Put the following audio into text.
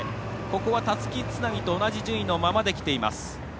たすき、つなぎと同じ順位のままきています。